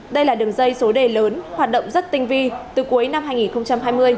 đây là đường dây số đề lớn hoạt động rất tinh vi từ cuối năm hai nghìn hai mươi